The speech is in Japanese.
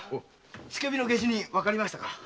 付け火の下手人わかりましたか？